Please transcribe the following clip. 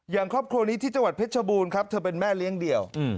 ครอบครัวนี้ที่จังหวัดเพชรชบูรณ์ครับเธอเป็นแม่เลี้ยงเดี่ยว